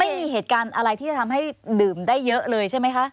ไม่มีเหตุการณ์อะไรที่จะทำให้ดื่มได้เยอะเลยใช่ไหมคะ